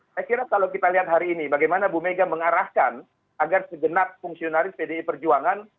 saya kira kalau kita lihat hari ini bagaimana ibu megawati soekarno putri mengarahkan agar segenap fungsionalis pdip perjuangan